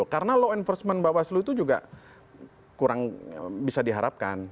karena law enforcement bawaslu itu juga kurang bisa diharapkan